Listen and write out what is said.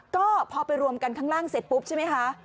ก็พอไปรวมกันข้างล่างเสร็จปุ๊บใช่ไหมคะ